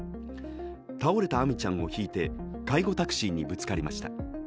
倒れた亜海ちゃんをひいて介護タクシーにぶつかりました。